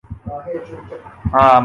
مثالی صورت تو دونوں کا امتزاج ہے۔